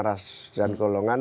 ras dan kolongan